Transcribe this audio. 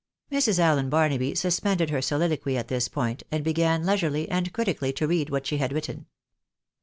Mrs. Allen Barnaby suspended her soliloquy at this point, and began leisurely and critically to read what she had written.